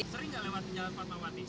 sering nggak lewat jalan fatmawati